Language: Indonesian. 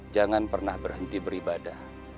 jangan pernah berhenti beribadah